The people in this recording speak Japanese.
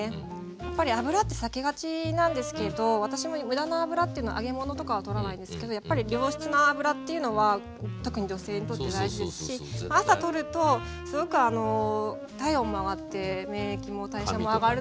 やっぱり油って避けがちなんですけど私も無駄な油というのは揚げ物とかは取らないですけどやっぱり良質な油っていうのは特に女性にとって大事ですし朝取るとすごく体温も上がって免疫も代謝も上がるので。